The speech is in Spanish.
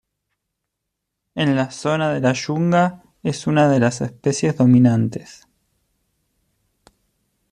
En la zona de la yunga es una de las especies dominantes.